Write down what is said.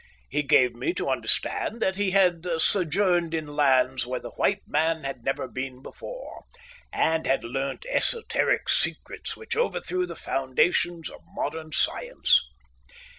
He gave me to understand that he had sojourned in lands where the white man had never been before, and had learnt esoteric secrets which overthrew the foundations of modern science.